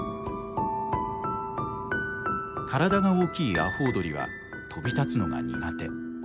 体が大きいアホウドリは飛び立つのが苦手。